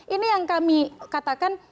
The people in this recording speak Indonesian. ini yang kami katakan